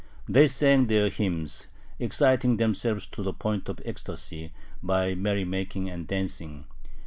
They sang their hymns, exciting themselves to the point of ecstasy by merrymaking and dancing.